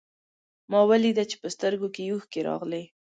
ما وليده چې په سترګو کې يې اوښکې راغلې.